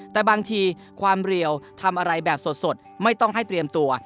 แต่บางทีความเร็วทำอะไรแบบสดไม่ต้องให้เตรียมตัว